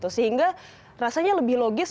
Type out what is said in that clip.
sehingga rasanya lebih logis